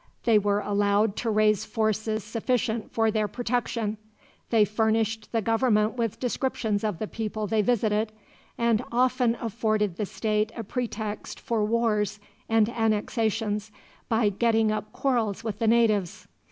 They were allowed to raise forces sufficient for their protection; they furnished the government with descriptions of the people they visited; and often afforded the State a pretext for wars and annexations, by getting up quarrels with the natives.